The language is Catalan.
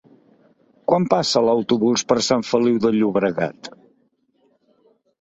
Quan passa l'autobús per Sant Feliu de Llobregat?